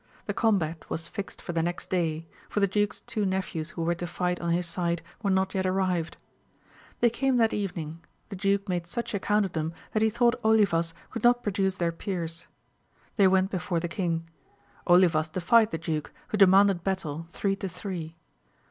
The combat was fixed for the next day, for the duke's two nephews who were to fight on his side were not yet arrived. They came that evening ; the duke made such ac count of them that he thought Olivas could not pro duce their peers. They went before the king. Olivas defied the duke, who demanded battle, three to three.